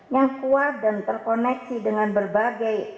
yang kuat dan terkoneksi dengan berbagai